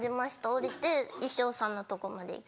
降りて衣装さんのとこまで行って。